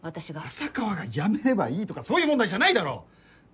浅川が辞めればいいとかそういう問題じゃないだろ！